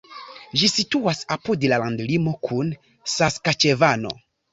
Ĝi situas apud la landlimo kun Saskaĉevano.